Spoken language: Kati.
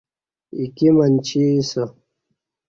ایکی منچی اسہ۔